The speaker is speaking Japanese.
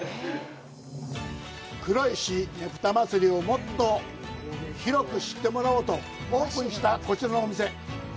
黒石ねぷた祭りをもっと広く知ってもらおうとオープンしたこちらのお店。